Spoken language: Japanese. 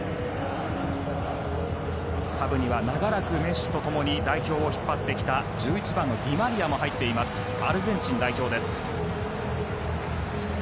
サブには、長らくメッシと共に代表を引っ張ってきた１１番のディマリアも入っていますアルゼンチン代表です。